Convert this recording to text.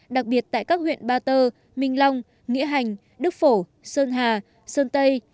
đặc biệt tại các huyện ba tơ minh long nghĩa hành đức phổ sơn hà sơn tây